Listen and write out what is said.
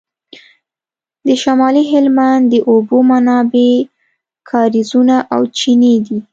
د شمالي هلمند د اوبو منابع کاریزونه او چینې دي